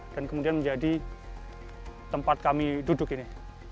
dan kemudian menjadi tempat kami duduk ini